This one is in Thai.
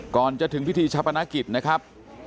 ก่อนจะถึงพิธีชาปนกิจนะครับ